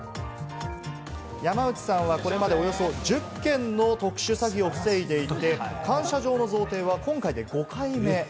山内さんはこれまでおよそ１０件の特殊詐欺を防いでいて、感謝状の贈呈は今回で５回目。